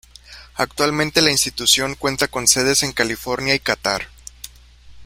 Actualmente la institución cuenta con sedes en California y Catar.